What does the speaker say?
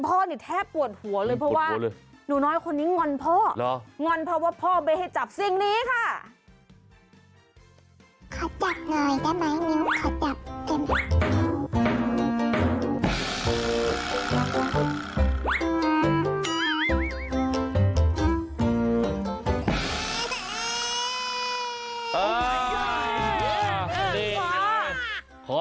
ขอจับขอเคลียร์ได้ไม่รัก